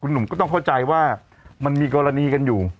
หนุ่มก็ต้องเข้าใจว่ามันมีกรณีกันอยู่